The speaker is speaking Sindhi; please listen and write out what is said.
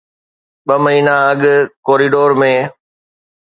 ٻه مهينا اڳ ڪوريڊور ۾